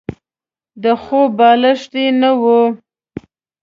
د خوب بالښت يې نه وو.